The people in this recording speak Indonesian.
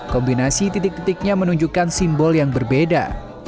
kombinasi titik titiknya menunjukkan simbol yang berbeda